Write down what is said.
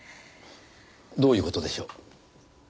どういう事でしょう？